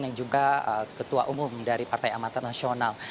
yang juga ketua umum dari partai amatan nasional